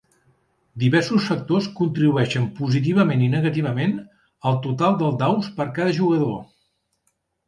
Diversos factors contribueixen positivament i negativament al total del daus per cada jugador.